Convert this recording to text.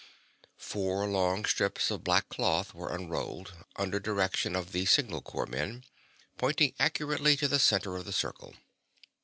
Four long strips of black cloth were unrolled, under direction of the signal corps men, pointing accurately to the center of the circle.